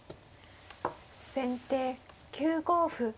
先手９五歩。